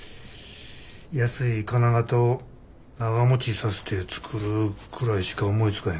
安い金型を長もちさせて作るくらいしか思いつかへんかな。